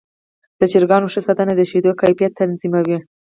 د چرګانو ښه ساتنه د شیدو کیفیت تضمینوي.